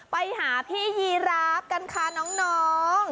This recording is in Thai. ไปหาพี่ฮีราฟกันค่ะน้อง